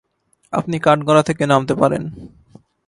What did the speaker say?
আপনি কাঠগড়া থেকে নামতে পারেন।